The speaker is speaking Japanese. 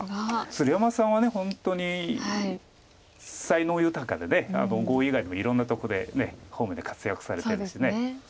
鶴山さんは本当に才能豊かで碁以外にもいろんなとこで方面で活躍されてるんです。